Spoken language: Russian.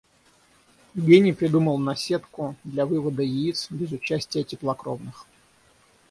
Гений придумал наседку для вывода яиц без участия теплокровных.